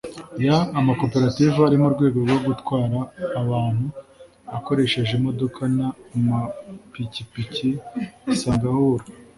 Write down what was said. y amakoperative ari mu rwego rwo gutwara abantu akoresheje imodoka n amapikipiki isanga ahura